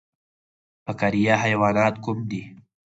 فقاریه حیوانات کوم دي؟